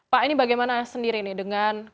pak ini bagaimana sendiri dengan kondisi ini